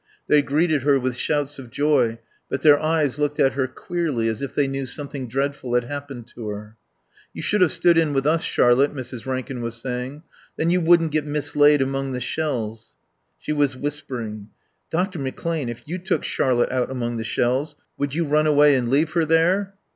They greeted her with shouts of joy, but their eyes looked at her queerly, as if they knew something dreadful had happened to her. "You should have stood in with us, Charlotte," Mrs. Rankin was saying. "Then you wouldn't get mislaid among the shells." She was whispering. "Dr. McClane, if you took Charlotte out among the shells, would you run away and leave her there?"